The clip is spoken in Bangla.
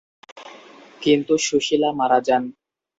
কিন্তু সুশীলা মারা যান।